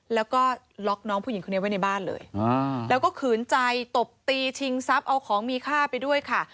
แล้วนี่ชิงทรัพย์เอาของมีค่าไปด้วยค่ะ